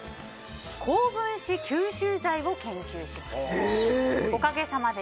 高分子吸収材を研究しました。